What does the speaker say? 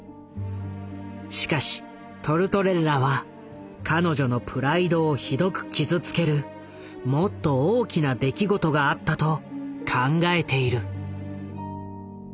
しかしトルトレッラは彼女のプライドをひどく傷つけるもっと大きな出来事があったと考えている。